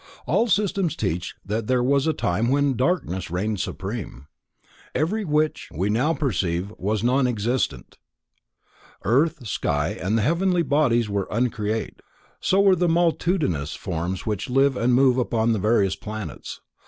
All systems teach that there was a time when darkness reigned supreme. Everything which we now perceive was then non existent. Earth, sky and the heavenly bodies were uncreate, so were the multitudinous forms which live and move upon the various planets.